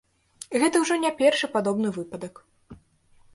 Гэта ўжо не першы падобны выпадак.